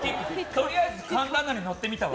とりあえず神田アナに乗ってみたわ。